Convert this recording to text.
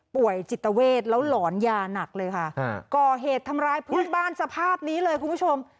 ป่วยจิตเวทแล้วหลอนยาหนักเลยค่ะก่อเหตุทำร้ายเพื่อนบ้านสภาพนี้เลยคุณผู้ชม